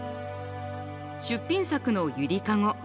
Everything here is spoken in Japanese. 出品作の「ゆりかご」。